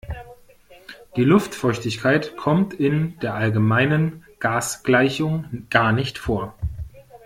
Die Luftfeuchtigkeit kommt in der allgemeinen Gasgleichung gar nicht vor.